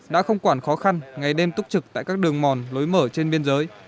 đã không quản khó khăn ngày đêm túc trực tại các đường mòn lối mở trên biên giới